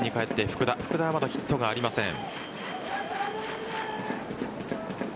福田はまだヒットがありません。